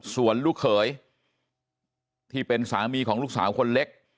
ส่วนลูกเขยที่เป็นสามีของลูกสาวคนเล็ก